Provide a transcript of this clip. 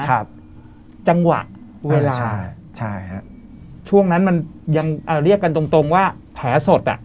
ครับจังหวะเวลาใช่ใช่ฮะช่วงนั้นมันยังอ่าเรียกกันตรงตรงว่าแผลสดอ่ะ